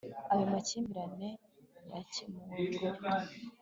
Ayo makimbirane yakemuwe burundu